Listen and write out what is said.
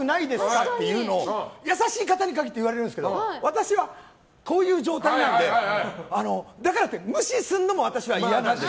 っていうのを優しい方に限って言われるんですけど私は口開けてる状態なのでだからといって無視するのも私は嫌なんです。